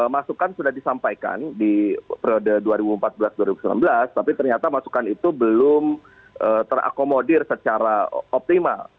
masukan sudah disampaikan di periode dua ribu empat belas dua ribu sembilan belas tapi ternyata masukan itu belum terakomodir secara optimal